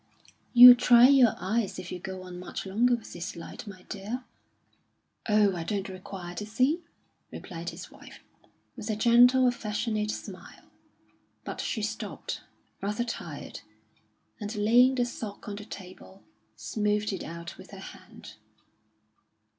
"You'll try your eyes if you go on much longer with this light, my dear." "Oh, I don't require to see," replied his wife, with a gentle, affectionate smile. But she stopped, rather tired, and laying the sock on the table, smoothed it out with her hand.